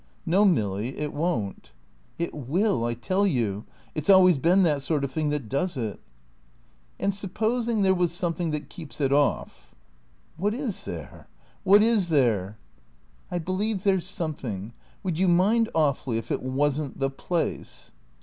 "No Milly, it won't." "It will, I tell you. It's always been that sort of thing that does it." "And supposing there was something that keeps it off?" "What is there? What is there?" "I believe there's something. Would you mind awfully if it wasn't the place?"